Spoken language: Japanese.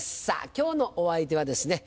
今日のお相手はですね